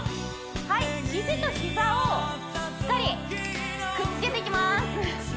はい肘と膝をしっかりくっつけていきます